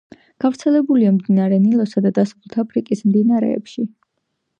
გავრცელებულია მდინარე ნილოსსა და დასავლეთ აფრიკის მდინარეებში.